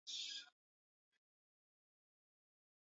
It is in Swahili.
viazi lishe hutumika kutengeneza au kusindikwa ili kuongeza dhamani